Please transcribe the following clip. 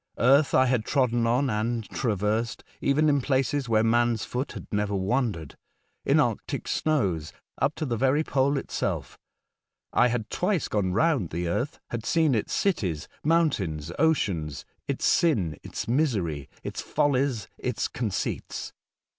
Eartb I bad trodden on and traversed, even in places wbere man's foot bad never wandered, in Arctic snows, up to tbe very Pole itself. I bad twice gone round your eartb, bad seen its cities, mountains, oceans, its sin, its misery, its follies, its conceits.